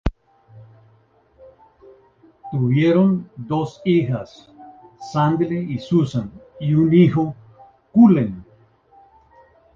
Tuvieron dos hijas, Sande y Susan, y un hijo, Cullen.